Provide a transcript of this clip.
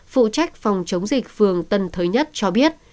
phụ trách phòng chống dịch phường tân thới nhất cho biết